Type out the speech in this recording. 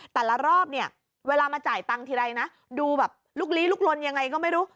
แต่ละรอบเนี่ยเวลามาจ่ายตังค์ทีไรนะดูแบบลุกลี้ลุกลนยังไงก็ไม่รู้